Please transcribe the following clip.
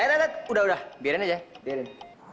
eh udah udah biarin aja biarin